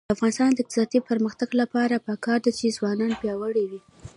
د افغانستان د اقتصادي پرمختګ لپاره پکار ده چې ځوانان پیاوړي وي.